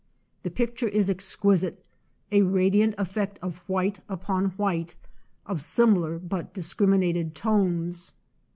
The picture is exquisite, a radiant effect of white upon white, of similar but discriminated tones.